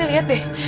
pak rt liat deh